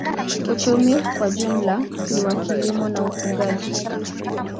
Uchumi kwa jumla ni wa kilimo na ufugaji.